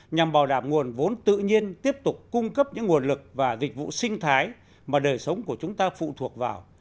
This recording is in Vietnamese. nhằm bảo đảm nguồn vốn tự nhiên tiếp tục cung cấp những nguồn lực và dịch vụ sinh thái mà đời sống của chúng ta phụ thuộc vào